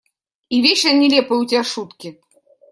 И вечно нелепые у тебя шутки…